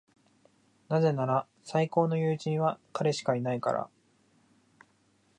なぜなら、最高の友人は彼しかいないから。